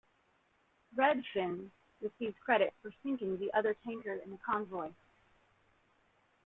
"Redfin" received credit for sinking the other tanker in the convoy.